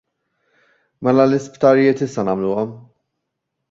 Mela l-isptarijiet issa nagħmluhom?